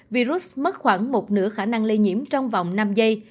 virus mất khoảng một nửa khả năng lây nhiễm trong vòng năm giây